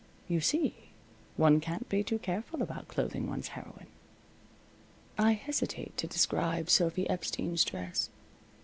You see, one can't be too careful about clothing one's heroine. I hesitate to describe Sophy Epstein's dress.